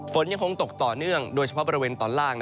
ฝนยังคงตกต่อเนื่องโดยเฉพาะบริเวณตอนล่าง